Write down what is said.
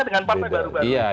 dengan partai baru baru